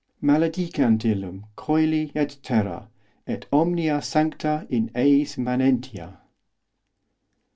os Maledicant illum cœli et terra, et omnia sancta in eis manentia.